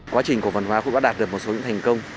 quá trình cổ phần hóa cũng đã đạt được một số những thành công